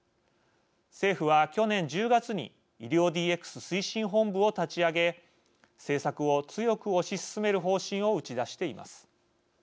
政府は、去年１０月に医療ＤＸ推進本部を立ち上げ政策を強く推し進める方針を打ち出しています。